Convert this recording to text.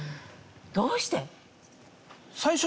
どうして？